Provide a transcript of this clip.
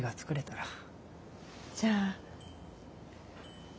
じゃあ。